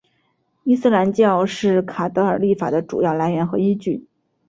伊斯兰教法是卡塔尔立法的主要来源和依据。